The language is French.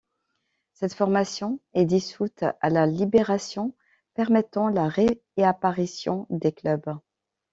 Cette formation est dissoute à la Libération, permettant la réapparition des clubs.